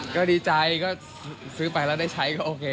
ก็ดีใจก็ซื้อไปแล้วได้ใช้ก็โอเค